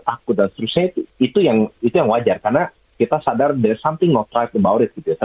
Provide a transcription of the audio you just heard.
takut dan sebagainya itu yang wajar karena kita sadar there s something not right about it gitu ya